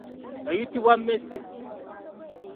Eyitibwa mmese.